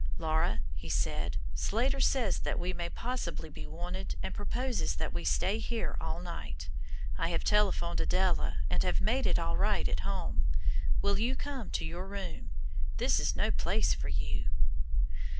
"Laura," said he, "Slater says that we may possibly be wanted and proposes that we stay here all night. I have telephoned Adela and have made it all right at home. Will you come to your room? This is no place for you."